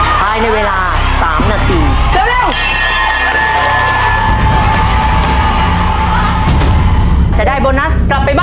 ท้ายในเวลา๓นาที